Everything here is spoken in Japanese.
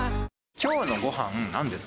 きょうのごはん？